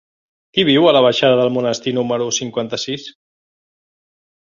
Qui viu a la baixada del Monestir número cinquanta-sis?